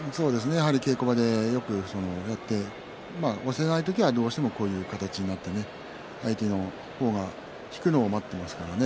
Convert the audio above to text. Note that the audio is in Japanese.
稽古場で押せない時はどうしてもこういう形になって相手の方が引くのを待っていますからね。